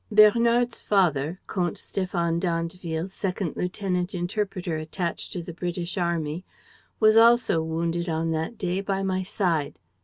"Bernard's father, Comte Stéphane d'Andeville, second lieutenant interpreter attached to the British army, was also wounded on that day by my side.